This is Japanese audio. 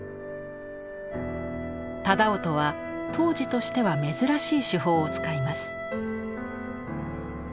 楠音は当時としては珍しい手法を使います。